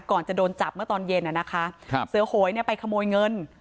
ก่อนจะโดนจับเมื่อตอนเย็นนะคะเสื้อโหยไปขโมยเงิน